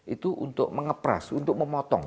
itu untuk mengepras untuk memotong